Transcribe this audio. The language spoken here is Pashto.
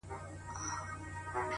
o داده ميني ښار وچاته څه وركوي ـ